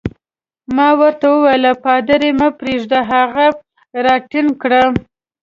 ما ورته وویل: پادري مه پرېږده، هغه راټینګ کړه.